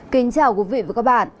kính chào quý vị và các bạn